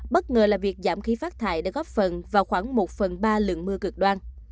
bất ngờ là việc giảm khí phát thải đã góp phần vào khoảng một phần ba lượng mưa cực đoan